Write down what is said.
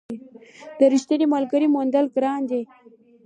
د رښتیني ملګري موندل ګران دي.